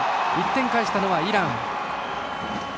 １点返したのはイラン。